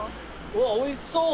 うわおいしそう。